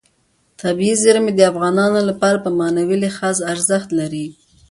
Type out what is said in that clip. طبیعي زیرمې د افغانانو لپاره په معنوي لحاظ ارزښت لري.